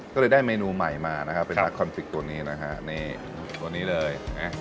ก็เลยได้เมนูใหม่มานะครับเป็นรักคอนฟิกตัวนี้นะฮะนี่ตัวนี้เลย